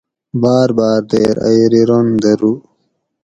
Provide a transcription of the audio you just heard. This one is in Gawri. باۤر باۤر دیر ائ ریرون درو